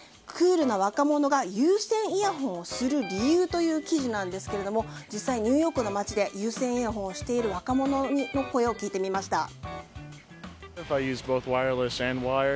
クールな若者が有線イヤホンをする理由という記事なんですけれども実際ニューヨークの街で有線イヤホンをしている若者の声を聞いてみました。